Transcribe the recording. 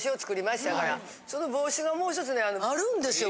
その帽子がもう１つねあるんですよ